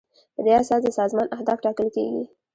په دې اساس د سازمان اهداف ټاکل کیږي.